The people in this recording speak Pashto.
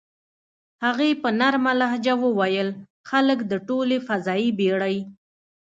هغې په نرمه لهجه وویل: "خلک د ټولې فضايي بېړۍ.